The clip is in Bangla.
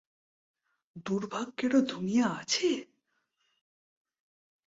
দুর্ভাগ্যেরও দুনিয়া আছে?